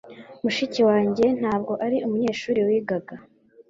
Mushiki wanjye ntabwo ari umunyeshuri wigaga.